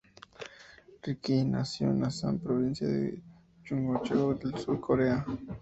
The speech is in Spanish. Ri Ki-Yong nació en Asan, provincia de Chungcheong del Sur, Corea.